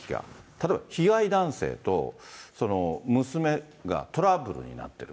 例えば被害男性と、娘がトラブルになってる。